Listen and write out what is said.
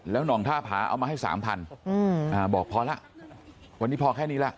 แล้วหน่องท่าผาเอามาให้๓๐๐๐บาทบอกพอแล้ววันนี้พอแค่นี้แล้ว